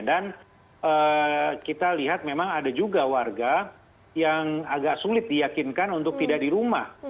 dan kita lihat memang ada juga warga yang agak sulit diyakinkan untuk tidak di rumah